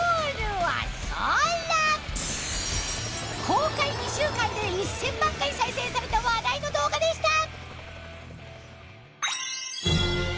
公開２週間で１０００万回再生された話題の動画でした！